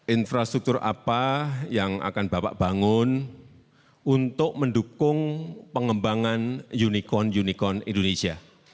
infrastruktur apa yang akan bapak bangun untuk mendukung pengembangan unicorn unicorn indonesia